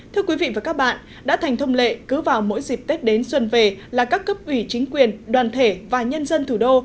thưa quý vị và các bạn đã thành thông lệ cứ vào mỗi dịp tết đến xuân về là các cấp ủy chính quyền đoàn thể và nhân dân thủ đô